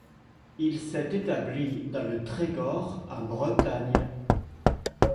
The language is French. Il s'est établi dans le Trégor, en Bretagne.